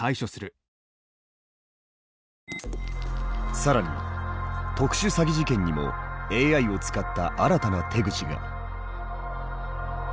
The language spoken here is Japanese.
更に特殊詐欺事件にもＡＩを使った新たな手口が。